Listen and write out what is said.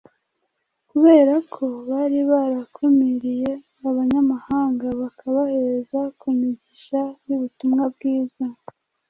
kubera ko bari barakumiriye Abanyamahanga bakabaheza ku migisha y’ubutumwa bwiza.